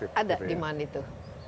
ada demand itu